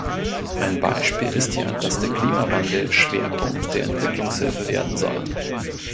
Ein Beispiel ist ja, dass der Klimawandel Schwerpunkt der Entwicklungshilfe werden soll.